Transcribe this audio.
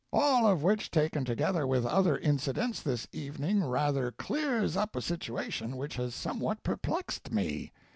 all of which taken together with other incidents this evening rather clears up a situation which has somewhat perplexed me.